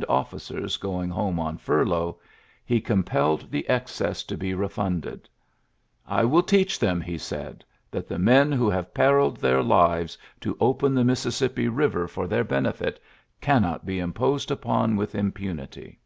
GRANT officers going home on fiirlotigli, lie com pelled the excess to be refdndecL "I will teach them,'^ he said, '^that the men who have perilled their lives to open the Mississippi Eiver for their benefit cannot be imi>osed upon with impunity.